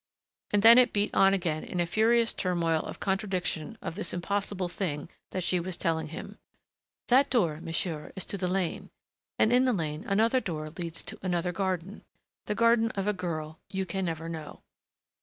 And then it beat on again in a furious turmoil of contradiction of this impossible thing that she was telling him. "That door, monsieur, is to the lane, and in the lane another door leads to another garden the garden of a girl you can never know."